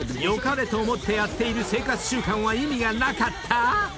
［よかれと思ってやっている生活習慣は意味がなかった⁉］